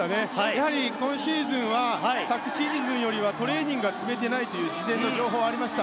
やはり、今シーズンは昨シーズンよりトレーニングが積めていないという情報がありました。